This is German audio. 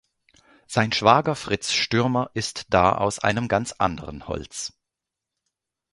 Sein Schwager Fritz Stürmer ist da aus einem ganz anderen Holz.